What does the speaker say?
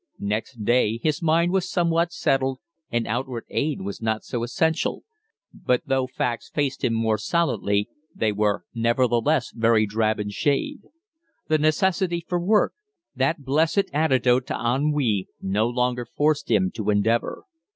Next day his mind was somewhat settled and outward aid was not so essential; but though facts faced him more solidly, they were nevertheless very drab in shade. The necessity for work, that blessed antidote to ennui, no longer forced him to endeavor.